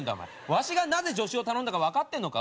わしがなぜ助手を頼んだか分かってんのか？